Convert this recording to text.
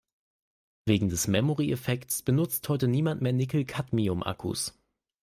Wegen des Memory-Effekts benutzt heute niemand mehr Nickel-Cadmium-Akkus.